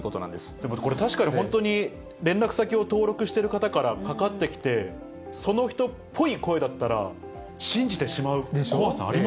でもこれ確かに、本当に連絡先を登録している方からかかってきて、その人っぽい声だったら、確かに。